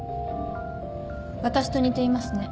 私と似ていますね。